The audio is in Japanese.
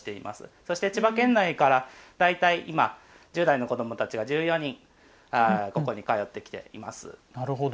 そして千葉県内から大体、今、１０代の子どもたちが１４人ここに通ってきています。